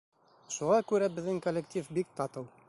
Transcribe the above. Шуға күрә беҙҙең коллектив бик татыу.